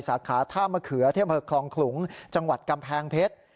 สาขาท่ามะเขือที่อำเภอคลองขลุงจังหวัดกำแพงเพชร